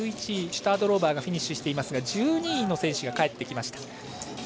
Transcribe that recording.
１１位、シュタードローバーがフィニッシュしていますが１２位の選手が帰ってきました。